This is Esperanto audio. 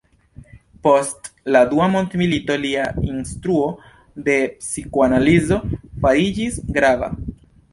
Post la dua mondmilito lia instruo de psikoanalizo fariĝis grava.